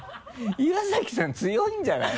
岩崎さん強いんじゃない？